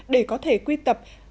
để có thể quy tập